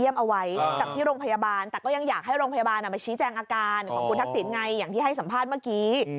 มาชี้แจ้งอาการของคุณทักษิตไงอย่างที่ให้สัมภาษณ์เมื่อกี้